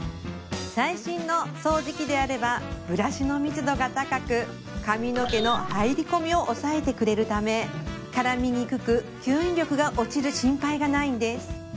最新の掃除機であればブラシの密度が高く髪の毛の入り込みを抑えてくれるため絡みにくく吸引力が落ちる心配がないんです